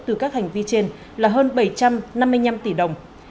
từ các hành vi trên là hơn bảy trăm năm mươi năm tỷ đồng